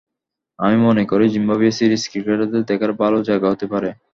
আমি মনে করি জিম্বাবুয়ে সিরিজ ক্রিকেটারদের দেখার ভালো জায়গা হতে পারে।